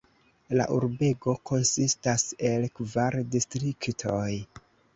La urbego konsistas el kvar distriktoj.